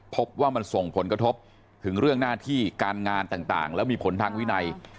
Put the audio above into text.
พบว่ามันส่งผลกระทบถึงเรื่องหน้าที่การงานต่างแล้วมีผลทางวินัย